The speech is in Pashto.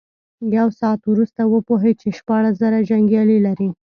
يو ساعت وروسته وپوهېد چې شپاړس زره جنيګالي لري.